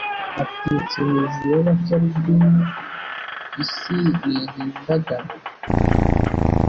atetse hejuru y’Abakerubimu isi nihindagane